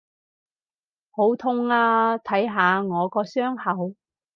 好痛啊！睇下我個傷口！